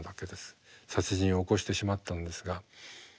殺人を起こしてしまったんですが。